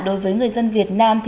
đối với người dân việt nam